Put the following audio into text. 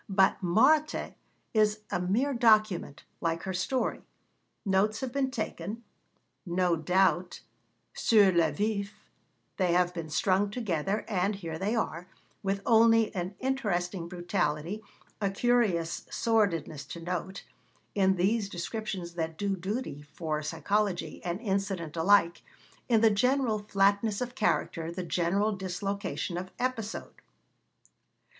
But Marthe is a mere document, like her story. Notes have been taken no doubt sur le vif they have been strung together, and here they are, with only an interesting brutality, a curious sordidness to note, in these descriptions that do duty for psychology and incident alike, in the general flatness of character, the general dislocation of episode.